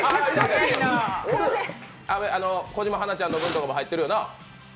小島はなちゃんのカードも入ってるよな？